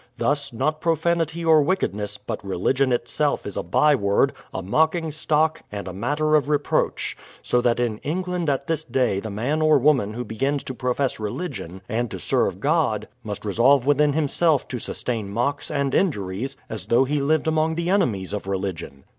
Thus, not profanity or wickedness, but Religion itself is a byword, a mocking stock, and a matter of reproach; so that in England at this day the man or woman who begins to profess religion and to serve God, must resolve within himself to sustain mocks and injuries as though he lived among the enemies of religion."